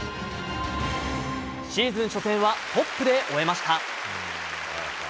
シーズン初戦はトップで終えました。